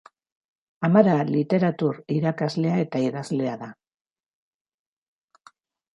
Amara literatur-irakaslea eta idazlea da.